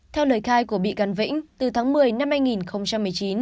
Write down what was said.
theo lời khai của bị can vĩnh từ tháng một mươi năm hai nghìn một mươi chín